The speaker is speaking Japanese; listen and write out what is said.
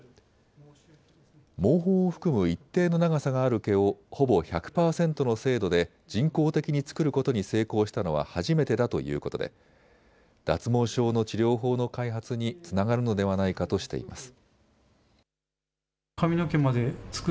毛包を含む一定の長さがある毛をほぼ１００％の精度で人工的に作ることに成功したのは初めてだということで脱毛症の治療法の開発につながるのではないかとしています。